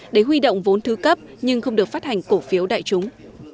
để huy động vốn thứ cấp nhưng không được phát hành cổ phiếu đại chúng